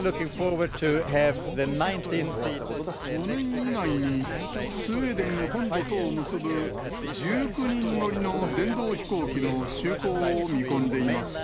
５年以内にスウェーデン本土とを結ぶ１９人乗りの電動飛行機の就航を見込んでいます。